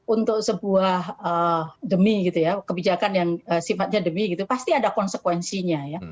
untuk sebuah demi kebijakan yang sifatnya demi pasti ada konsekuensinya